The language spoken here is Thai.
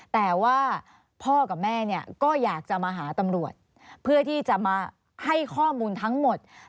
แต่ว่าพ่อกับแม่เนี่ยก็อยากจะมาหาตำรวจ